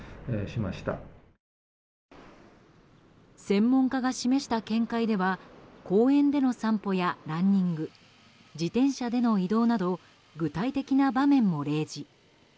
専門家が示した見解では公園での散歩やランニング自転車での移動など具体的な場面も例示。